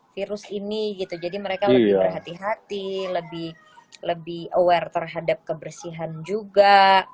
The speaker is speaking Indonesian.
virus ini gitu jadi mereka lebih berhati hati lebih aware terhadap kebersihan juga